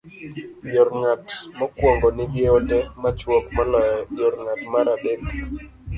Yor ng'at mokwongo nigi ote machuok moloyo yor ng'at mar adek.